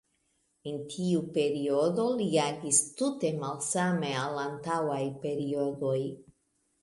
En tiu periodo, li agis tute malsame al antaŭaj periodoj.